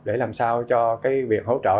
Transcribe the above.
để làm sao cho cái việc hỗ trợ